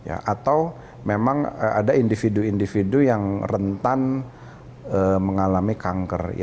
atau memang ada individu individu yang rentan mengalami kanker